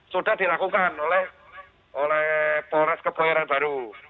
sudah dilakukan oleh polres keboyoran baru